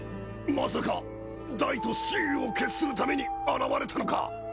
まさかダイと雌雄を決するために現れたのか？